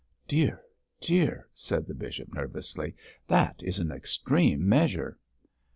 'Dear, dear!' said the bishop, nervously, 'that is an extreme measure.'